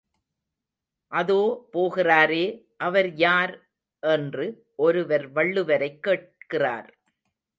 அதோ போகிறாரே, அவர் யார்? என்று ஒருவர் வள்ளுவரைக் கேட்கிறார்.